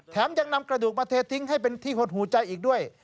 ยังนำกระดูกมาเททิ้งให้เป็นที่หดหูใจอีกด้วย